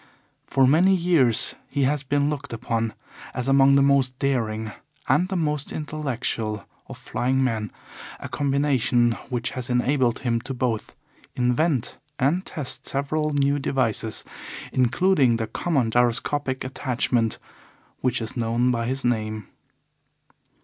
For many years he has been looked upon as among the most daring and the most intellectual of flying men, a combination which has enabled him to both invent and test several new devices, including the common gyroscopic attachment which is known by his name.